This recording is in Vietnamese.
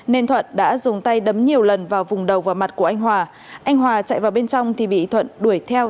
nên thuận đã dùng tay đấm nhiều lần vào vùng đầu và mặt của anh hòa anh hòa chạy vào bên trong thì bị thuận đuổi theo